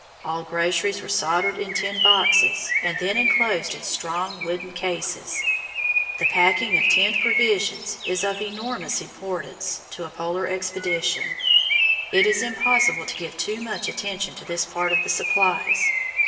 All groceries were soldered in tin boxes, and then enclosed in strong wooden cases. The packing of tinned provisions is of enormous importance to a Polar expedition; it is impossible to give too much attention to this part of the supplies.